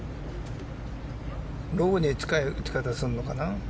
ロブに近い打ち方をするのかな。